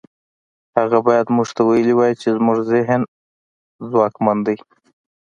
هغه بايد موږ ته ويلي وای چې زموږ ذهن ځواکمن دی.